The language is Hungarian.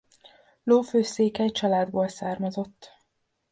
Lófő-székely családból származott.